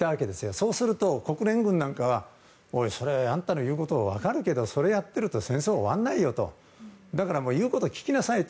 そうすると、国連軍なんかはあんたの言うことは分かるけど、それをやってると戦争は終わらないとだから言うことを聞きなさいと。